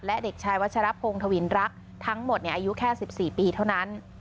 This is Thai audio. และเด็กชายวัชรพงศ์ธวินรักทั้งหมดอายุแค่๑๔ปีเท่านั้น